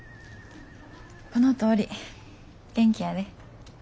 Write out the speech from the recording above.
このとおり元気やで。